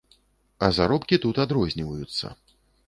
А заробкі тут адрозніваюцца.